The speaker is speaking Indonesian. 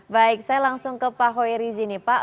baik saya langsung ke pak hoi rizi nih pak